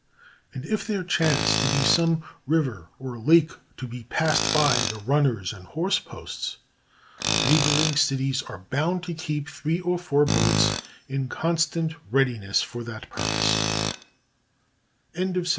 And if there chance to be some river or lake to be passed by the runners and horse posts, the neighboring cities are bound to keep three or four boats in constant readiness for the purpose.